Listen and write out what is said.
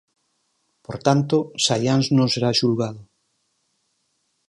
Por tanto, Saiáns non será xulgado.